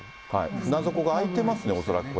船底が開いてますね、恐らく、これ。